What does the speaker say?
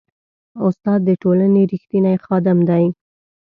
استاد د ټولنې ریښتینی خادم دی.